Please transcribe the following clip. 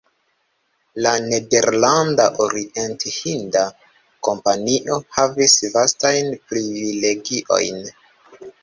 La Nederlanda Orient-hinda Kompanio havis vastajn privilegiojn.